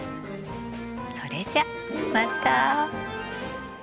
それじゃまた。